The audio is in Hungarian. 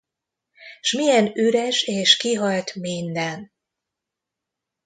S milyen üres és kihalt minden!